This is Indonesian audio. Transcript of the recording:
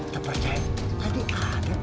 gak percaya tadi ada